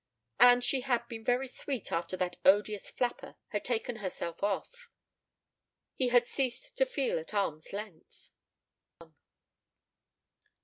And she had been very sweet after that odious flapper had taken herself off. He had ceased to feel at arm's length.